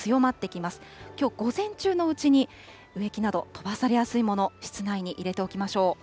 きょう、午前中のうちに植木など飛ばされやすいもの、室内に入れておきましょう。